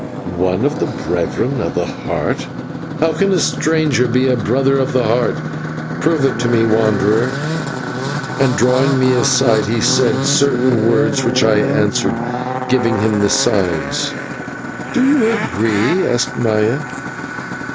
"One of the Brethren of the Heart? How can a stranger be a Brother of the Heart? Prove it to me, wanderer." And, drawing me aside, he said certain words, which I answered, giving him the signs. "Do you agree?" asked Maya.